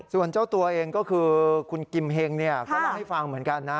ส่วนเจ้าตัวเองก็คือคุณกิมเฮงก็เล่าให้ฟังเหมือนกันนะ